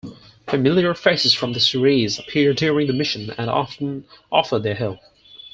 Familiar faces from the series appear during the mission and often offer their help.